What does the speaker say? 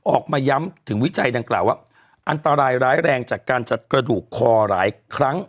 ออกมาย้ำถึงวิจัยดังกล่าวว่าอันตรายร้ายแรงจากการจัดกระดูกคอหลายครั้ง